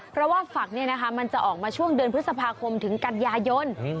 เพราะว่าฝักมันจะออกมาช่วงเดือนพฤษภาคมถึงกันยายน